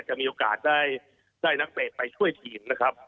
จะมีโอกาสได้นักเตะไปช่วยทีมนะครับ